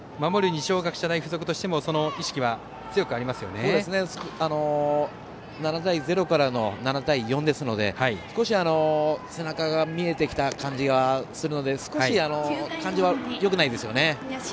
二松学舎大付属としても７対０からの７対４ですので少し背中が見えてきた感じはするので少し感じはよくないですよね。